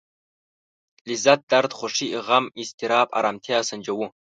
لذت درد خوښي غم اضطراب ارامتيا سنجوو.